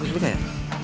terus dia ya